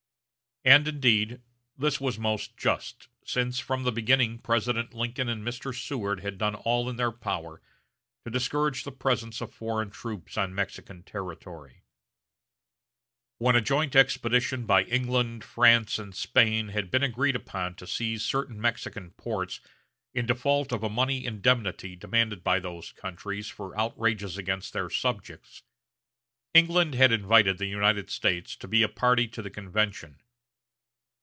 And, indeed, this was most just, since from the beginning President Lincoln and Mr. Seward had done all in their power to discourage the presence of foreign troops on Mexican territory. When a joint expedition by England, France, and Spain had been agreed upon to seize certain Mexican ports in default of a money indemnity demanded by those countries for outrages against their subjects, England had invited the United States to be a party to the convention.